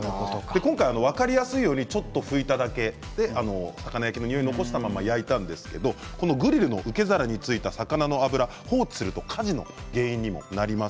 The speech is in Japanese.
今回、分かりやすいようにちょっと拭いただけで魚焼きのにおいを残したまま焼いたんですがグリルの受け皿についた魚の脂を放置すると火事の原因になります。